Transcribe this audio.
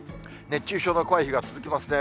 熱中症の怖い日が続きますね。